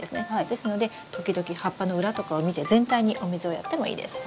ですので時々葉っぱの裏とかを見て全体にお水をやってもいいです。